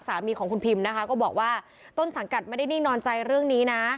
สามีของคุณพิมนะคะก็บอกว่าต้นสังกัดไม่ได้นิ่งนอนใจเรื่องนี้นะ